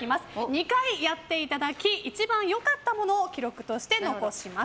２回やっていただき一番良かったものを記録として残します。